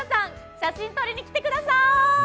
写真撮りに来てください！